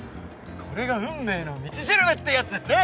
これが運命の道しるべってやつですね！